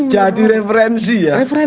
jadi referensi ya